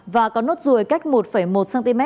và có nốt ruồi cách một một cm